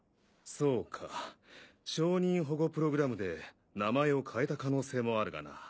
そうか証人保護プログラムで名前を変えた可能性もあるがな。